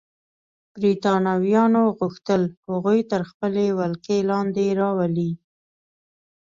برېټانویانو غوښتل هغوی تر خپلې ولکې لاندې راولي.